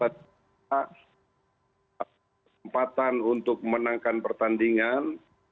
tempatan untuk menangkan pertandingan